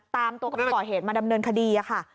ตามตัวคนก่อเหตุมาดำเนินคดีค่ะ